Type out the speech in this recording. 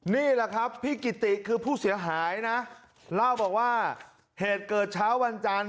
นี่แหละครับพี่กิติคือผู้เสียหายนะเล่าบอกว่าเหตุเกิดเช้าวันจันทร์